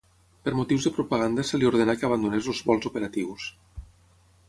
Per motius de propaganda se li ordenà que abandonés els vols operatius.